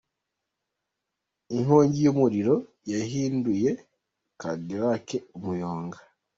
Inkongi y’umuriro yahinduye kadillake umuyonga